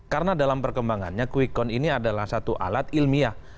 karena dalam perkembangannya kwikon ini adalah satu alat ilmiah